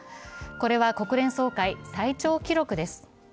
これは国連総会最長記録です。